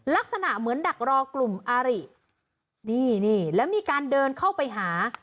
ลักษณะเหมือนดักรอกลุ่มอารินี่นี่แล้วมีการเดินเข้าไปหา